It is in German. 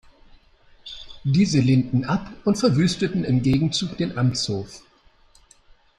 Diese lehnten ab und verwüsteten im Gegenzug den Amtshof.